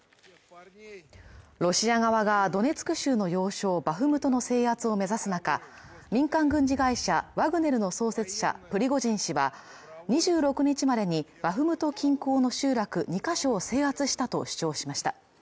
ロシア側がドネツク州の要衝バフムトの制圧を目指す中、民間軍事会社ワグネルの創設者、プリゴジン氏が２６日までにバフムト近郊の集落２箇所を制圧したと主張しました。